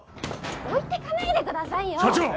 置いてかないでくださいよ社長！